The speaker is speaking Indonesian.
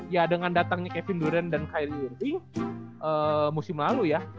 ya dengan datangnya kevin duran dan kyrie irving musim lalu ya